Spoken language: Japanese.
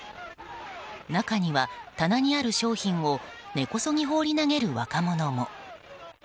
中には棚にある商品を根こそぎ放り投げる若者も。